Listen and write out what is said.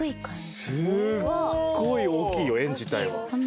すごい大きいよ円自体は。